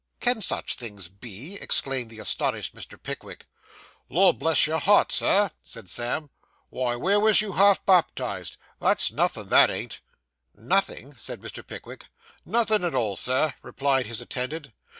'Can such things be!' exclaimed the astonished Mr. Pickwick. 'Lord bless your heart, sir,' said Sam, 'why where was you half baptised? that's nothin', that ain't.' 'Nothing?'said Mr. Pickwick. 'Nothin' at all, Sir,' replied his attendant.